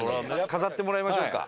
飾ってもらいましょうか。